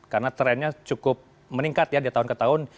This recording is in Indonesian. karena trennya cukup meningkat ya di tahun ke tahun